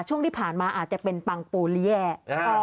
ช่วงที่ผ่านมาอาจจะเป็นปังปูลิแยะ